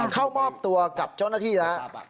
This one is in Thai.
เข้ามอบตัวกับเจ้าหน้าที่แล้ว